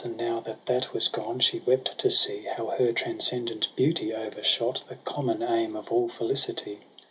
And now that that was gone she wept to see How her transcendent beauty overshot The common aim of all felicity.